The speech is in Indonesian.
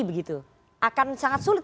begitu akan sangat sulit